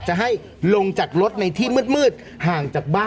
เออเดี๋ยวส่งโลเคชั่นไว้ให้